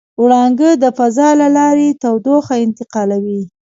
وړانګه د فضا له لارې تودوخه انتقالوي.